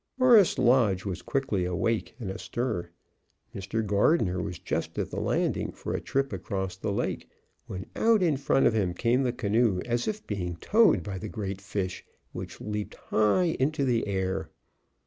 Forest Lodge was quickly awake and astir. Mr. Gardner was just at the landing for a trip across the lake, when out in front of him came the canoe as if being towed by the great fish, which leaped high into the air.